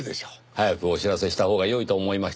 早くお知らせしたほうが良いと思いましてね。